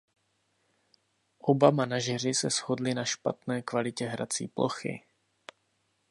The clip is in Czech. Oba manažeři se shodli na špatné kvalitě hrací plochy.